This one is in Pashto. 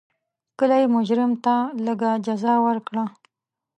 کله یې مجرم ته لږه جزا ورکړه.